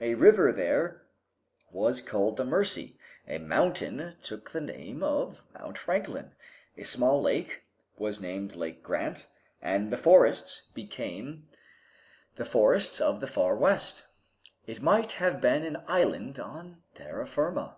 A river there was called the Mercy, a mountain took the name of Mount Franklin, a small lake was named Lake Grant, and the forests became the forests of the Far West. It might have been an island on terra firma.